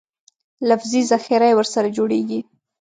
لفظي ذخیره یې ورسره جوړېږي.